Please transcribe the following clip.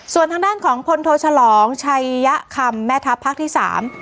ส่วนทางด้านของพลโทฉลองชัยยะคำแม่ทัพภาคที่สาม